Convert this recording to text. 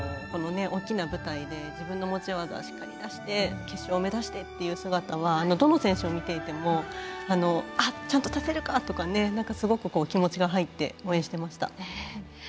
大きな舞台で自分の持ち技をしっかり出して決勝を目指してという姿はどの選手を見ていてもちゃんと立てるか！とかねすごく気持ちが入って応援してました。